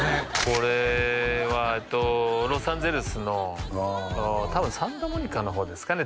これはロサンゼルスの多分サンタモニカの方ですかね